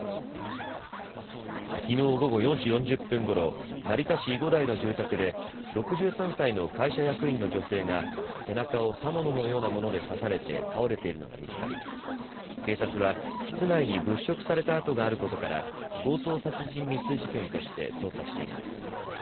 きのう午後４時４０分ごろ、成田市囲護台の住宅で６３歳の会社役員の女性が背中を刃物のようなもので刺されて倒れているのが見つかり警察は室内に物色された跡があることから強盗殺人未遂事件として捜査しています。